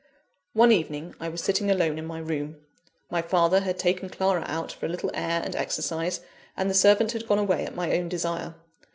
One evening I was sitting alone in my room. My father had taken Clara out for a little air and exercise, and the servant had gone away at my own desire.